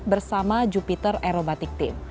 bersama jupiter aerobatik tim